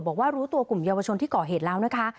บอกว่ารู้ตัวกลุ่มเยาวชนที่ก่อเหตุแล้วนะคะ